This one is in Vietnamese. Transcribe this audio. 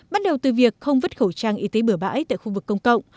bắt đầu từ việc không vứt khẩu trang y tế bửa bãi tại khu vực công cộng